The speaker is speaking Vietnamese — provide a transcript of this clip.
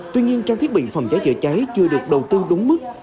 tuy nhiên trang thiết bị phòng cháy chữa cháy chưa được đầu tư đúng mức